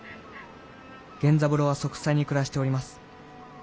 源三郎は息災に暮らしております。